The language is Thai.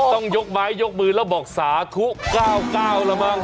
ต้องยกไม้ยกมือแล้วบอกสาธุ๙๙แล้วมั้ง